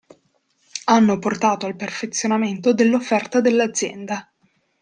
Hanno portato al perfezionamento dell'offerta dell'azienda.